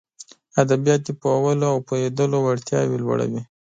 ادبيات د پوهولو او پوهېدلو وړتياوې لوړوي.